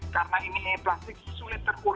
karena ini plastik sulit terbuat